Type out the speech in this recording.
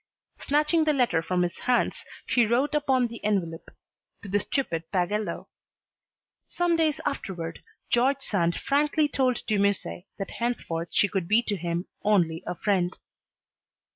Snatching the letter from his hands, she wrote upon the envelope: 'To the Stupid Pagello.' Some days afterward George Sand frankly told De Musset that henceforth she could be to him only a friend."